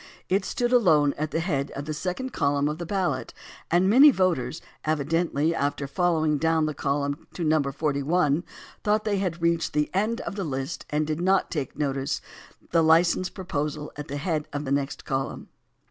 It stood alone at the head of the second column of the ballot, and many voters evidently, after fol lowing down the column to No. 41, thought they had reached the end of the hst and did not notice the license proposal at the head of the next column.